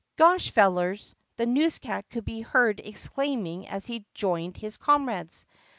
"Gosh, fellers!" the newscat could be heard exclaiming as he joined his comrades.